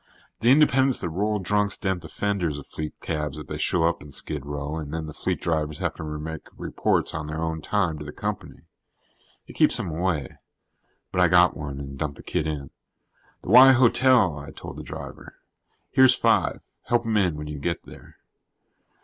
The independents that roll drunks dent the fenders of fleet cabs if they show up in Skid Row and then the fleet drivers have to make reports on their own time to the company. It keeps them away. But I got one and dumped the kid in. "The Y Hotel," I told the driver. "Here's five. Help him in when you get there."